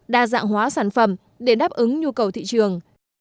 đa dạng hóa sản phẩm để đáp ứng nhu cầu thị trường